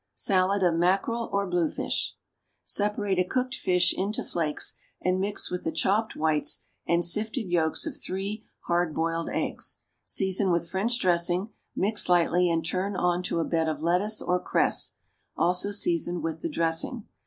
=Salad of Mackerel or Bluefish.= Separate a cooked fish into flakes and mix with the chopped whites and sifted yolks of three hard boiled eggs. Season with French dressing, mix lightly and turn on to a bed of lettuce or cress, also seasoned with the dressing.